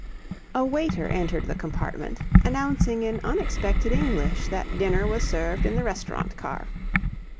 A waiter entered the compartment, announcing in unexpected English that dinner was served in the restaurant car.